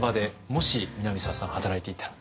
もし南沢さん働いていたら。